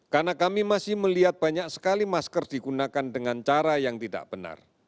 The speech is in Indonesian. karena kami masih melihat banyak sekali masker digunakan dengan cara yang tidak benar